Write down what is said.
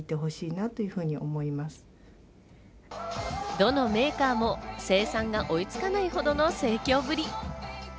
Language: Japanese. どのメーカーも生産が追いつかないほどの盛況ぶり。